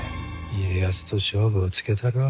家康と勝負をつけたるわ。